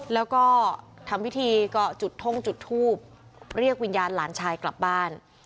แล้วก็ทำพิธีก็จุดท่องจุดทูบเรียกวิญญาณหลานชายกลับบ้าน